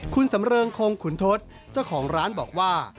คุณสำเริงคงขุนทศเจ้าของร้านบอกว่า